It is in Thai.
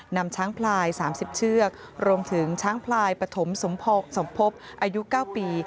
นำช้างพลาย๓๐เชือกรวมถึงช้างพลายปฐมสมภพอายุ๙ปี